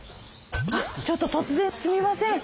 ちょっと突然すみません。